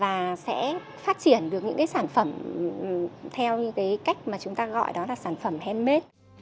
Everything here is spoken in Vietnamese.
và sẽ phát triển được những sản phẩm theo cách chúng ta gọi là sản phẩm handmade